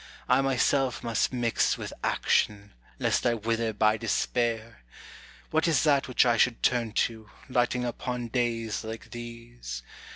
I myself must mix with action, lest I wither by despair. What is that which I should turn to, lighting upon days like these?